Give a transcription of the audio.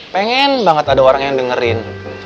pengen banget ada orang yang dengerin